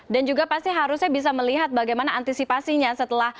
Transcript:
dan juga pasti harusnya bisa melihat bagaimana antisipasinya